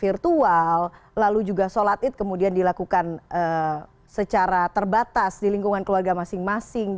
virtual lalu juga sholat id kemudian dilakukan secara terbatas di lingkungan keluarga masing masing